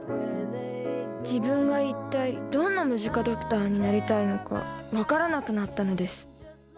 自分が一体どんなムジカドクターになりたいのか分からなくなったのです。